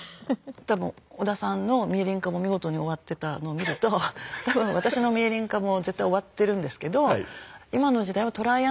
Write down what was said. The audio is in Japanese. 多分織田さんのミエリン化も見事に終わってたのを見ると多分私のミエリン化も絶対終わってるんですけど今の時代はトライ